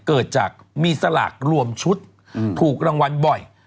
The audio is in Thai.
เกิดจากมีสลากรวมชุดถูกรางวัลบ่อย